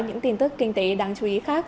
những tin tức kinh tế đáng chú ý khác